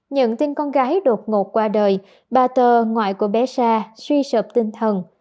nhận tin con gái đột ngột qua đời bà tơ ngoại của bé sa suy sợp tinh thần